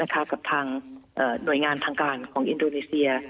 กับทางหน่วยงานทางการของอินโดนีเซีย